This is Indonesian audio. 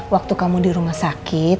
waktu kamu di rumah sakit